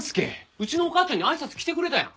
うちのお母ちゃんにあいさつ来てくれたやん。